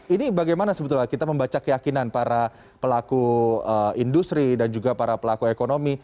ini bagaimana sebetulnya kita membaca keyakinan para pelaku industri dan juga para pelaku ekonomi